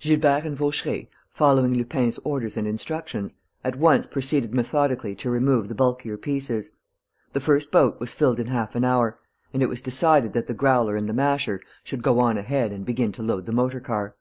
Gilbert and Vaucheray, following Lupin's orders and instructions, at once proceeded methodically to remove the bulkier pieces. The first boat was filled in half an hour; and it was decided that the Growler and the Masher should go on ahead and begin to load the motor car.